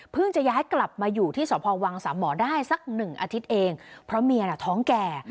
เพิ่งจะย้ายกลับมาอยู่ที่สภวังสมได้สัก๑อาทิตย์เองเพราะเมียถ้องแก่